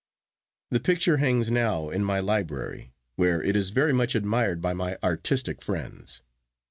The picture hangs now in my library, where it is very much admired by my artistic friends.